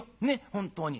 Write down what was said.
本当に。